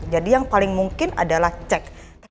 jadi yang paling mungkin adalah cek